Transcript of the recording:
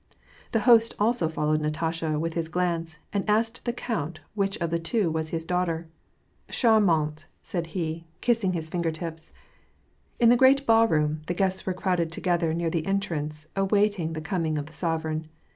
The host also followed Natasha with his glance, and asked the count which of the two was his daughter. " Charmante !" said he, kissing his finger tips. In the great ballroom, the guests were crowded together near the entrance, awaiting the coming of the sovereign.